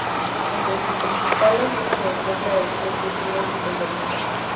Entre sus principales se encuentra el Club de Tiro Bellavista.